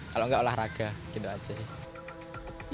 kalau enggak olahraga gitu aja sih